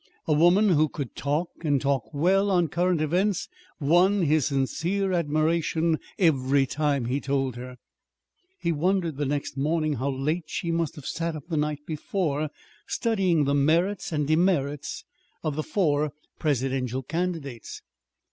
A woman who could talk, and talk well, on current events won his sincere admiration every time, he told her: he wondered the next morning how late she must have sat up the night before, studying the merits and demerits of the four presidential candidates.